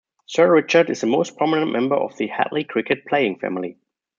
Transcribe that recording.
Sir Richard is the most prominent member of the Hadlee cricket playing family.